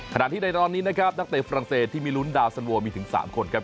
ในตอนนี้นะครับนักเตะฝรั่งเศสที่มีลุ้นดาวสันโวมีถึง๓คนครับ